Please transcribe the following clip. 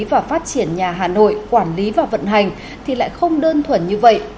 và phát triển nhà hà nội quản lý và vận hành thì lại không đơn thuần như vậy